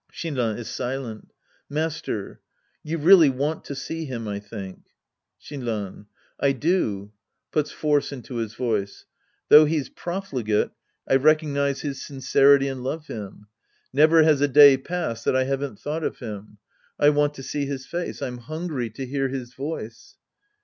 (Shinran is silent.) Master. You really want to see him, I think. Shinran. I do. {Puts force into his voice.) Though he's profligate, I recognize his sincerity and love him. Never has a day passed that I haven't thought of him. I want to see his face. I'm hungry to hear his voice.